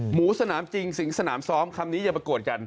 หมูสนามจริงสิงสนามซ้อมคำนี้อย่าประกวดกัน